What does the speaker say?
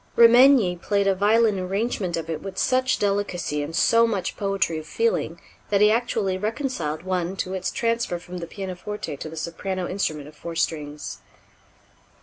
Remenyi played a violin arrangement of it with such delicacy and so much poetry of feeling that he actually reconciled one to its transfer from the pianoforte to the soprano instrument of four strings.